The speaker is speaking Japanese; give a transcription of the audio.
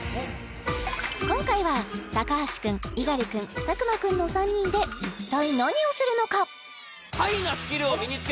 今回は橋君猪狩君作間君の３人で一体何をするのか？